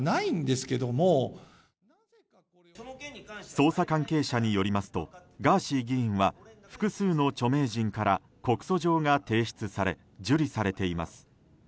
捜査関係者によりますとガーシー議員は複数の著名人から告訴状が提出され受理されています。